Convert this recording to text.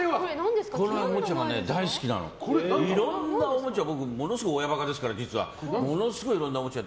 このおもちゃ大好きなの、いろんなおもちゃ僕ものすごい親バカですからものすごいいろんなおもちゃを。